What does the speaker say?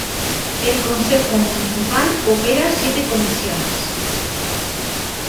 El consejo municipal opera siete comisiones.